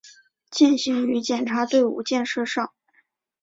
践行于检察队伍建设上